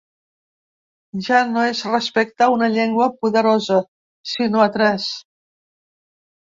Ja no és respecte a una llengua poderosa, sinó a tres!